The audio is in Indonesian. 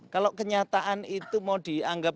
kalau kenyataan itu mau dianggap